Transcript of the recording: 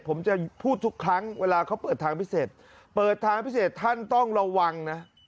ผมจะพูดทุกครั้งเวลาเขาเปิดทางพิเศษเปิดทางพิเศษท่านต้องระวังนะ